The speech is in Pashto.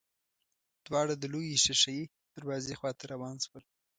دواړه د لويې ښېښه يي دروازې خواته روان شول.